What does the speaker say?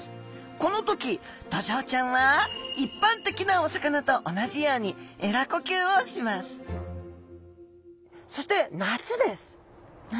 この時ドジョウちゃんは一般的なお魚と同じようにエラ呼吸をします夏。